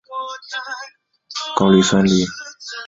高氯酸镍可由高氯酸和氢氧化镍或碳酸镍反应得到。